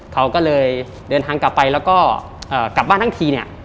เขาก็เลยเดินทางกลับไปแล้วก็กลับบ้านทั้งทีเนี่ย